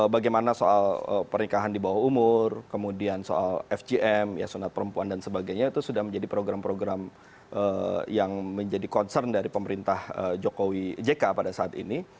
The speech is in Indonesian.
bagaimana soal pernikahan di bawah umur kemudian soal fgm ya sunat perempuan dan sebagainya itu sudah menjadi program program yang menjadi concern dari pemerintah jokowi jk pada saat ini